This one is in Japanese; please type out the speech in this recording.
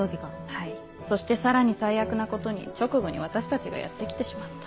はいそしてさらに最悪なことに直後に私たちがやって来てしまった。